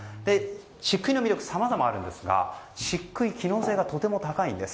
漆喰の魅力さまざまあるんですが漆喰、機能性がとても高いんです。